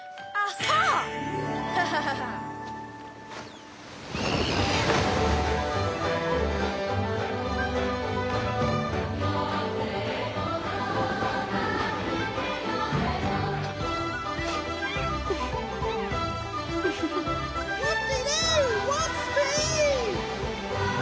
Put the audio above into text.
ハハッ。